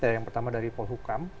yang pertama dari polhukam